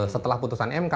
setelah putusan mk